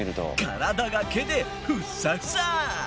体が毛でフッサフサ！